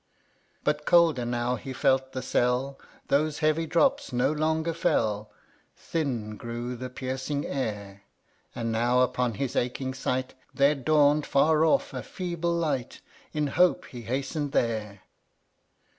12. But colder now he felt the cell ; Those heavy drops no longer fell ; Thin grew the piercing air; And now upon his aching sight There dawn'd, far off, a feeble light ; In hope he hasten'd there.